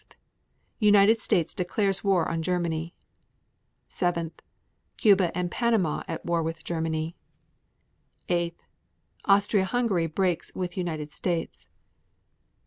United States declares war on Germany. 7. Cuba and Panama at war with Germany. 8. Austria Hungary breaks with United States.